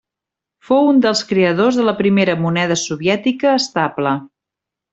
Fou un dels creadors de la primera moneda soviètica estable.